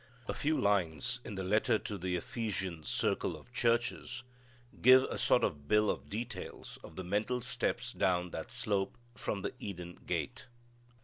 A few lines in the letter to the Ephesian circle of churches give a sort of bill of details of the mental steps down that slope from the Eden gate.